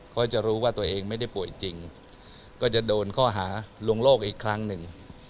ก็จะรู้ว่าตัวเองไม่ได้ป่วยจริงก็จะโดนข้อหาลวงโลกอีกครั้งหนึ่ง